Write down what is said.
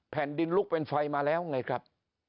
แผ่นดินลุกเป็นไฟมาแล้วไงครับ